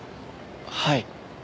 はい。